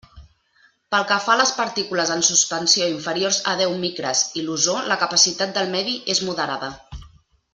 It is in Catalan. Pel que fa a les partícules en suspensió inferiors a deu micres i l'ozó, la capacitat del medi és moderada.